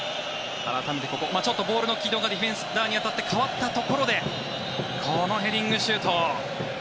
ボールの軌道がディフェンダーに当たって変わったところでこのヘディングシュート。